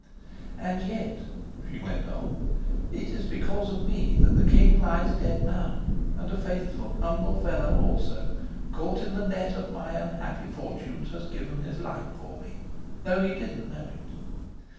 "And yet," she went on, "it is because of me that the king lies dead now; and a faithful humble fellow also, caught in the net of my unhappy fortunes, has given his life for me, though he didn't know it.